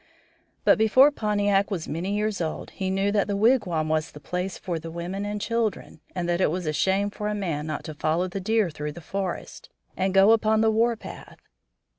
But before Pontiac was many years old he knew that the wigwam was the place for women and children, and that it was a shame for a man not to follow the deer through the forest, and go upon the warpath.